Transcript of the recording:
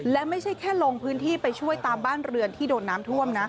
และไม่ใช่แค่ลงพื้นที่ไปช่วยตามบ้านเรือนที่โดนน้ำท่วมนะ